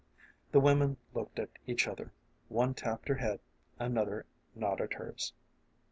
The women looked at each other ; one tapped her head, another nodded hers.